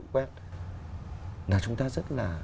quét là chúng ta rất là